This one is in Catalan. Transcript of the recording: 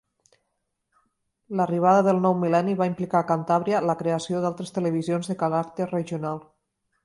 L'arribada del nou mil·lenni va implicar a Cantàbria la creació d'altres televisions de caràcter regional.